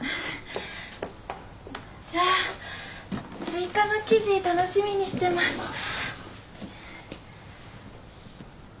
じゃあ追加の記事楽しみにしてます。